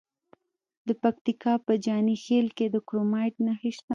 د پکتیکا په جاني خیل کې د کرومایټ نښې شته.